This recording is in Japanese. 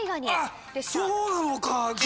そうなのか！